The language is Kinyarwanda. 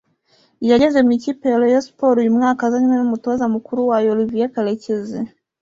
yageze mu ikipe ya Rayon Sports uyu mwaka azanywe n’umutoza mukuru wayo Olivier karekezi